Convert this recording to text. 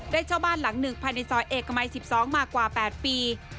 เช่าบ้านหลังหนึ่งภายในซอยเอกมัย๑๒มากว่า๘ปี